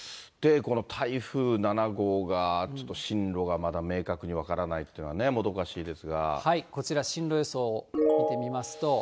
この台風７号がちょっと進路がまだ明確に分からないっていうこちら進路予想を見てみますと。